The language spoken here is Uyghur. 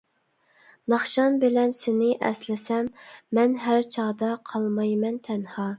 ناخشام بىلەن سېنى ئەسلىسەم مەن ھەر چاغدا قالمايمەن تەنھا.